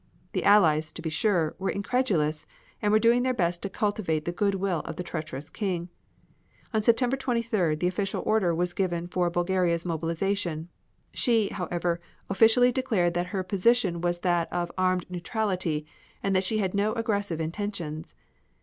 The Allies, to be sure, were incredulous, and were doing their best to cultivate the good will of the treacherous King, On September 23rd the official order was given for Bulgaria's mobilization. She, however, officially declared that her position was that of armed neutrality and that she had no aggressive intentions.